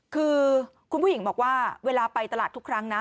คือคุณผู้หญิงบอกว่าเวลาไปตลาดทุกครั้งนะ